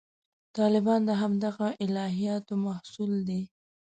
طالبان د همدغه الهیاتو محصول دي.